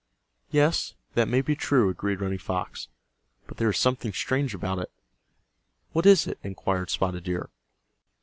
"Yes, that may be true," agreed Running Fox. "But there is something strange about it." "What is it?" inquired Spotted Deer.